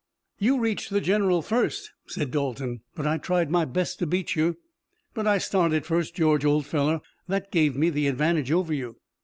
"You reached the general first," said Dalton, "but I tried my best to beat you." "But I started first, George, old fellow. That gave me the advantage over you."